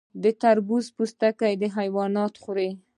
د تربوز پوستکي حیوانات خوري.